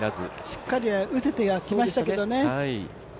しっかり打ててはきましたけどね。